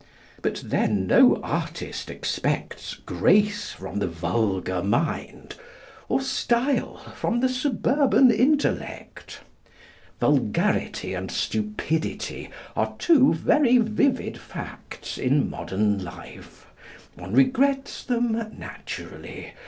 But then no artist expects grace from the vulgar mind, or style from the suburban intellect. Vulgarity and stupidity are two very vivid facts in modern life. One regrets them, naturally.